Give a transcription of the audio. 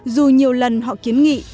dù nhiều lần họ kiến nghị